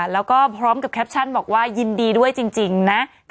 แล้วก็พร้อมกับแคปชั่นบอกว่ายินดีด้วยจริงนะ